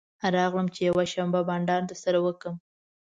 راغلم چې یوه شېبه بنډار درسره وکړم.